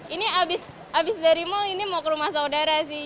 ini habis dari mall ini mau ke rumah saudara sih